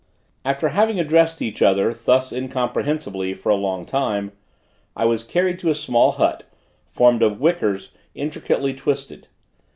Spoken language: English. After having addressed each other, thus incomprehensibly for a long time, I was carried to a small hut, formed of wickers intricately twisted.